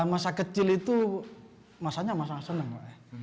masa kecil itu masanya masa senang pak ya